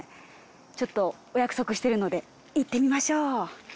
ちょっとお約束してるので行ってみましょう。